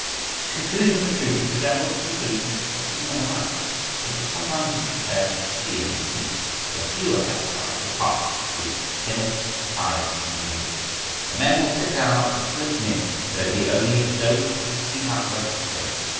The conclusion of a treatise resembles the conclusion of human life, which has sometimes been compared to the end of a feast, where few are satisfied to depart ut plenus vitæ conviva. For men will sit down after the fullest meal, though it be only to dose or to sleep out the rest of the day.